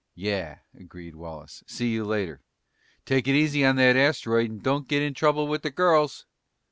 "Yeah," agreed Wallace. "See you later. Take it easy on that asteroid and don't get in trouble with the girls!"